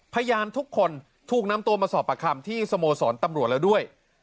พยานทุกคนถูกนำตัวมาสอบประคำที่สโมสรตำรวจแล้วด้วย